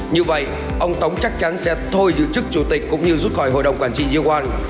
như vậy ông tóng chắc chắn sẽ thôi giữ chức chủ tịch cũng như rút khỏi hội đồng quản trị gia loan